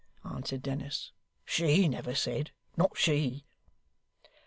answered Dennis. 'SHE never said; not she.